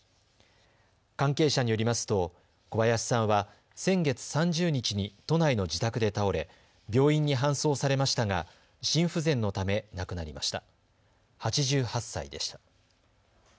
関係者によりますと小林さんは先月３０日に都内の自宅で倒れ病院に搬送されましたが心不全のため亡くなりました。